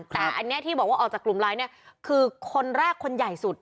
แต่อันนี้ที่บอกว่าออกจากกลุ่มไลน์เนี่ยคือคนแรกคนใหญ่สุด